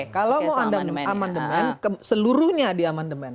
kalau mau amandemen seluruhnya di amandemen